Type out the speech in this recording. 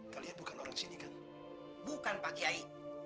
kalian bukan orang sini kan bukan pak kiai